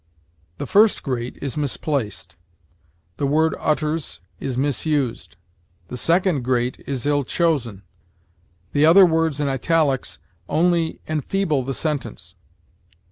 The first great is misplaced; the word utters is misused; the second great is ill chosen. The other words in italics only enfeeble the sentence.